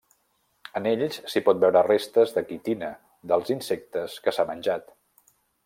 En ells s'hi pot veure restes de quitina dels insectes que s'ha menjat.